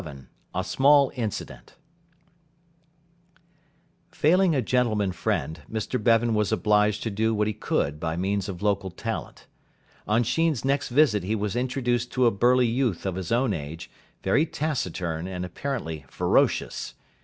XI A SMALL INCIDENT Failing a gentleman friend, Mr Bevan was obliged to do what he could by means of local talent. On Sheen's next visit he was introduced to a burly youth of his own age, very taciturn, and apparently ferocious.